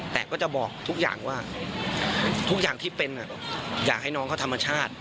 แต่ก็จะบอกทุกอย่างว่าทุกอย่างที่เป็นอยากให้น้องเขาธรรมชาติ